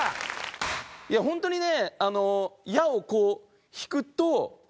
いやホントにね。